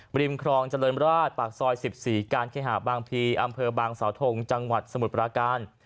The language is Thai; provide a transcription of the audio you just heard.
ริมครองเจริญราชปากซอย๑๔การเคหาบางพีอำเภอบางสาวทงจังหวัดสมุทรปราการ